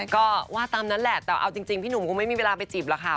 ก็ว่าตามนั้นแหละแต่เอาจริงพี่หนุ่มก็ไม่มีเวลาไปจีบหรอกค่ะ